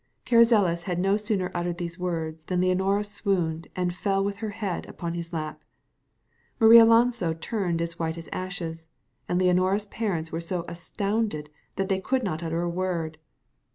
Carrizales had no sooner uttered these words than Leonora swooned, and fell with her head upon his lap. Marialonso turned as white as ashes, and Leonora's parents were so astounded that they could not utter a word.